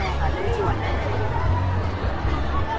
ยังพิสเตอร์เลยนิดหนึ่งขอกิดข่อยต่อไป